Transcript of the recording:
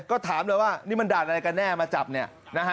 ก็ถามเลยว่านี่มันด่านอะไรกันแน่มาจับเนี่ยนะฮะ